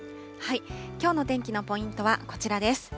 きょうの天気のポイントはこちらです。